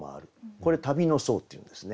これ「旅の僧」っていうんですね。